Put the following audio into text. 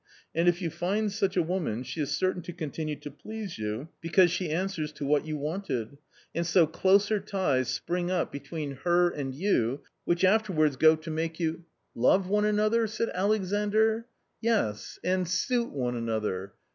And if you find such a woman she is certain to continue to please you, because she answers to what you wanted. And so closer ties spring up between her and you, which afterwards go to make you " 76 A COMMON STORY i " Love one another ?" said Alexandr. ^ "Yes, and suit one another.